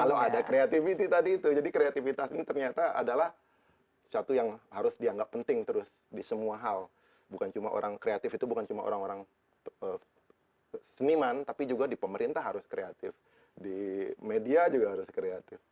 kalau ada creativity tadi itu jadi kreativitas ini ternyata adalah suatu yang harus dianggap penting terus di semua hal bukan cuma orang kreatif itu bukan cuma orang orang seniman tapi juga di pemerintah harus kreatif di media juga harus kreatif